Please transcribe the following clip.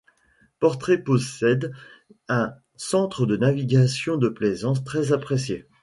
Portree possède un centre de navigation de plaisance très apprécié.